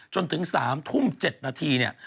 จนถึง๓ทุ่ม๗นาทีเนี่ย